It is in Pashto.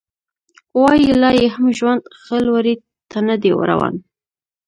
وايي لا یې هم ژوند ښه لوري ته نه دی روان